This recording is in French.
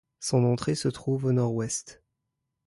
Son entrée se trouve au nord-ouest.